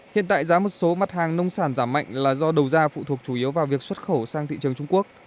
hiện tại giá một số mặt hàng nông sản giảm mạnh là do đầu gia phụ thuộc chủ yếu vào việc xuất khẩu sang thị trường trung quốc